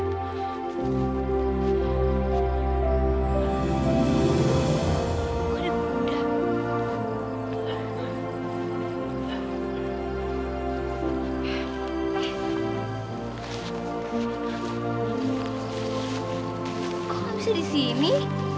kok abis itu disini